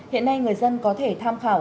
hiện nay người dân có thể tham khảo